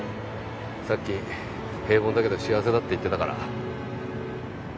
さっき平凡だけど幸せだって言ってたから。